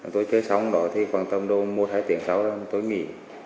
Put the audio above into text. tôi chơi sống đó thì khoảng tầm một hai tiếng sáu rồi tôi nghỉ